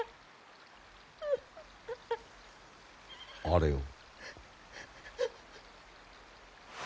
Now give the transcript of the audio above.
あれを。